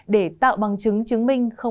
để tạo bằng chứng chứng